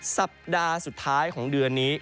สัปดาห์สุดท้ายของเดือนนี้